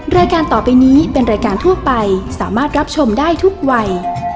รายการต่อไปนี้เป็นรายการทั่วไปสามารถรับชมได้ทุกวัย